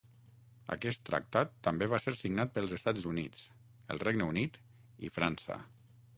Aquest tractat també va ser signat pels Estats Units, el Regne Unit i França.